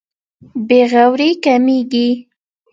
بې غوري کمېږي.